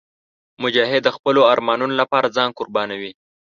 مجاهد د خپلو ارمانونو لپاره ځان قربانوي.